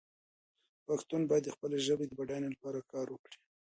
پښتون باید د خپلې ژبې د بډاینې لپاره کار وکړي.